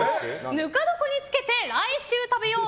ぬか床に漬けて来週食べよう！